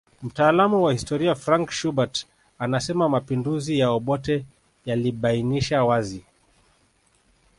Mtaalamu wa historia Frank Schubert anasema mapinduzi ya Obote yalibainisha wazi